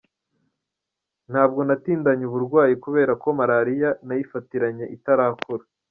Ntabwo natindanye uburwayi kubera ko marariya nayifatiranye itarakura.